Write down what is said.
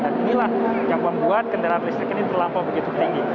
dan inilah yang membuat kendaraan listrik ini terlampau begitu tinggi